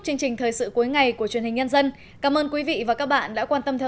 chương trình thời sự cuối ngày của truyền hình nhân dân cảm ơn quý vị và các bạn đã quan tâm theo